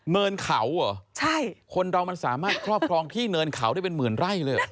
เนินเขาเหรอใช่คนเรามันสามารถครอบครองที่เนินเขาได้เป็นหมื่นไร่เลยเหรอ